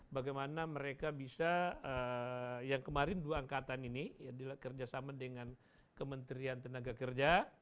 bagaimana mereka bisa yang kemarin dua angkatan ini kerjasama dengan kementerian tenaga kerja